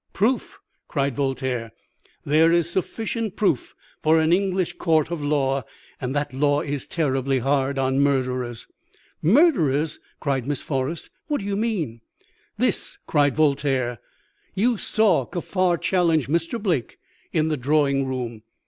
"'Proof!' cried Voltaire. 'There is sufficient proof for an English court of law, and that law is terribly hard on murderers.' "'Murderers!' cried Miss Forrest. 'What do you mean?' "'This!' cried Voltaire. 'You saw Kaffar challenge Mr. Blake in the drawing room?'